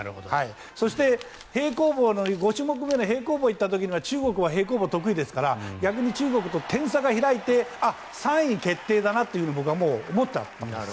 そして、５種目目の平行棒に行った時には中国は平行棒、得意ですから逆に中国と点差が開いて３位決定だなと僕は思ったんです。